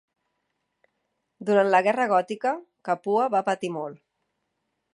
Durant la Guerra Gòtica, Capua va patir molt.